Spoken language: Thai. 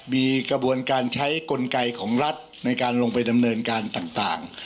มีกระบวนการใช้กลไกของรัฐในการลงไปดำเนินการต่าง